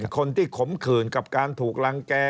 คนที่ขมขื่นกับการถูกรังแก่